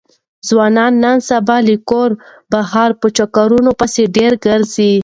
ځوانان نن سبا له کوره بهر په چکرونو پسې ډېر ګرځي.